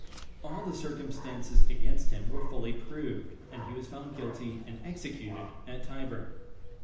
All the circumstances against him were fully proved, and he was found guilty and executed at Tyburn.